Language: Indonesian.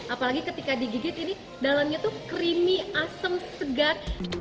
apalagi ketika digigit ini dalamnya tuh creamy asem segar